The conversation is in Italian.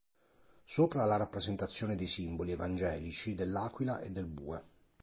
Sopra la rappresentazione dei simboli evangelici dell'aquila e del bue.